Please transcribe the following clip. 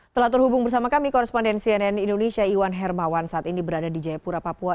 telah terhubung bersama kami koresponden cnn indonesia iwan hermawan saat ini berada di jayapura papua